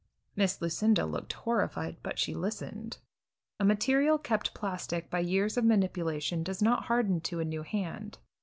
Miss Lucinda looked horrified, but she listened. A material kept plastic by years of manipulation does not harden to a new hand.